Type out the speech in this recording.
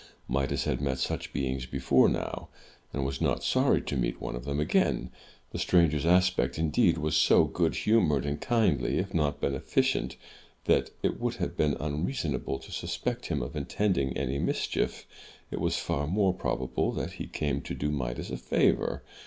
Midas had met such beings before now, and was not sorry to meet one of them again. The stranger's aspect, indeed, was so good humoured and kindly, if not beneficent, that it would have been unreasonable to sus pect him of intending any mischief. It was far more probable that he came to do Midas a favour.